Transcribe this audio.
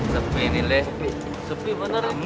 sepi ini deh sepi beneran